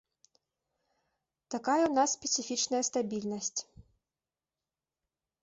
Такая ў нас спецыфічная стабільнасць.